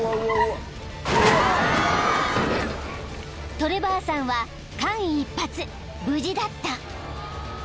［トレバーさんは間一髪無事だった］